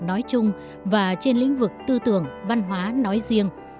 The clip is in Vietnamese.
nói chung và trên lĩnh vực tư tưởng văn hóa nói riêng